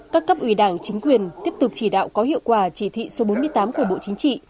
các cấp ủy đảng chính quyền tiếp tục chỉ đạo có hiệu quả chỉ thị số bốn mươi tám của bộ chính trị